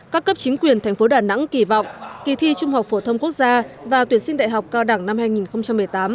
các cấp chính quyền thành phố đà nẵng kỳ vọng kỳ thi trung học phổ thông quốc gia và tuyển sinh đại học cao đẳng năm hai nghìn một mươi tám